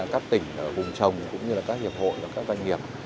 các tỉnh vùng trồng cũng như là các hiệp hội và các doanh nghiệp